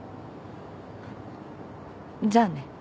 じゃあね。